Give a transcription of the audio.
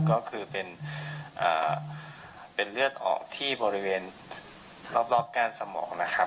ก็คือเป็นเลือดออกที่บริเวณรอบก้านสมองนะครับ